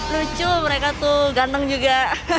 lucu mereka tuh ganteng juga